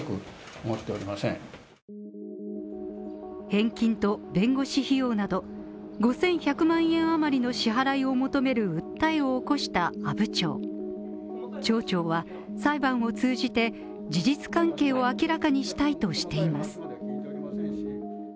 返金と弁護士費用など５１００万円余りの支払いを求める訴えを起こした阿武町町長は裁判を通じて事実関係を明らかにしたいとしています。